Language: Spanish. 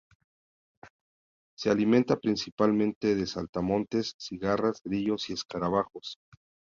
Se alimenta principalmente de saltamontes, cigarras, grillos y escarabajos.